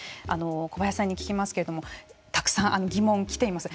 小林さんに聞きますけれどもたくさん疑問が来ています。